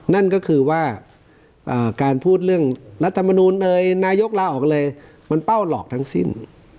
นั่นก็คือว่าการพูดเรื่องรัฐมนูลเอยนายกลาออกเลยมันเป้าหลอกทั้งสิ้น